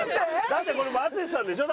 だってこれもう淳さんでしょ？